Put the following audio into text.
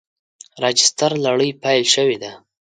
راجستر لړۍ پیل شوې ده.